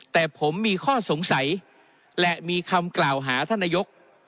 แต่ผมมีข้อสงสัยและมีคำกล่าวหาท่านนายก